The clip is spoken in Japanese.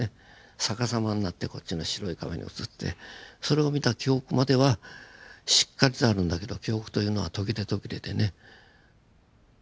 逆さまになってこっちの白い壁に映ってそれを見た記憶まではしっかりとあるんだけど記憶というのは途切れ途切れでね。